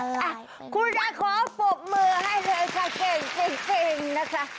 คุณจะขอปบมือให้เธอค่ะเก่งนะคะ